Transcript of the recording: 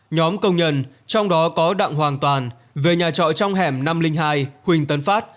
nhóm công nhân trong đó có đặng hoàng toàn về nhà trọ trong hẻm năm trăm linh hai huỳnh tấn phát